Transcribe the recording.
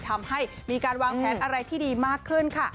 ทำให้มีการวางแผนอะไรที่ดีมากขึ้นค่ะ